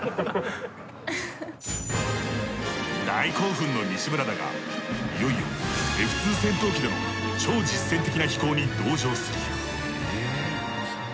大興奮の西村だがいよいよＦ−２戦闘機での超実戦的な飛行に同乗する。